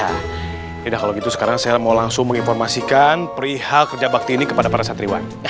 sudah kalau gitu sekarang saya mau langsung menginformasikan perihal kerja bakti ini kepada para santriwan